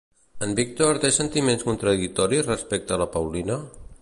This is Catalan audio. En Víctor té sentiments contradictoris respecte a la Paulina?